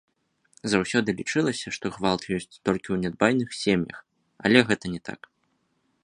Заўсёды лічылася, што гвалт ёсць толькі ў нядбайных сем'ях, але гэта не так.